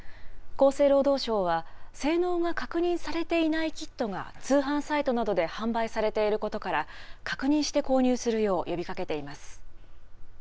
厚生労働省は、性能が確認されていないキットが通販サイトなどで販売されていることから、確認して購入するよう呼びかけています。